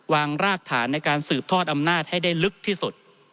รากฐานในการสืบทอดอำนาจให้ได้ลึกที่สุด